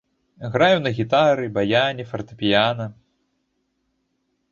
Граю на гітары, баяне, фартэпіяна.